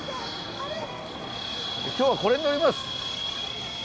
今日はこれに乗ります。